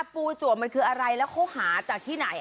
ปูจัวมันคืออะไรแล้วเขาหาจากที่ไหน